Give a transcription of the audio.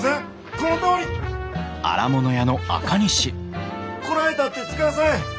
こらえたってつかあさい。